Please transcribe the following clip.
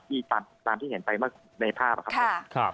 ที่ตามที่เห็นไปในภาพครับ